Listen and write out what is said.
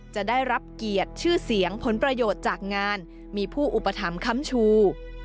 จะได้รับเกียรติชื่อเสียงผลประโยชน์จากงานมีผู้อุปถัมภ์ค้ำชู